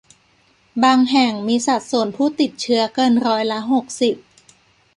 บางแห่งมีสัดส่วนผู้ติดเชื้อเกินร้อยละหกสิบ